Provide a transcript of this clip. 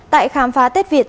tại khám phá tết việt